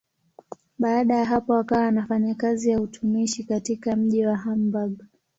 Baada ya hapo akawa anafanya kazi ya utumishi katika mji wa Hamburg.